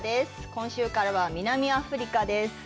今週からは南アフリカです。